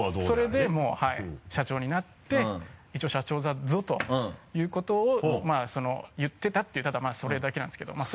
それでもう社長になって「一応社長だぞ」ということを言ってたっていうただまぁそれだけなんですけど。